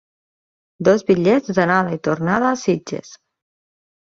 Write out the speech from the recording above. Dos bitllets d'anada i tornada a Sitges.